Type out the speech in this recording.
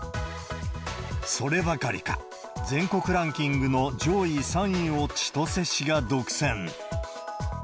そればかりか、全国ランキングの上位３位を千歳市が独占。